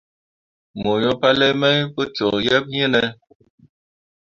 Mo yo palai mai pu cok yeb iŋ ne.